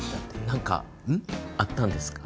何かあったんですか？